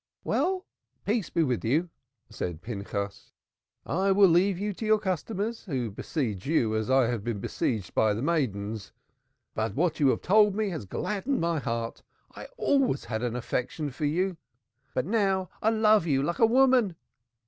"Well, peace be with you!" said Pinchas. "I will leave you to your customers, who besiege you as I have been besieged by the maidens. But what you have just told me has gladdened my heart. I always had an affection for you, but now I love you like a woman.